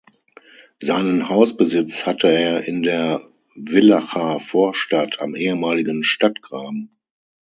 Seinen Hausbesitz hatte er in der Villacher Vorstadt am ehemaligen Stadtgraben.